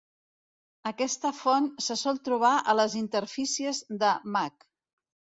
Aquesta font se sol trobar a les interfícies de Mac.